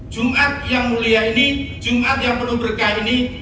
jumat yang mulia ini jumat yang penuh berkah ini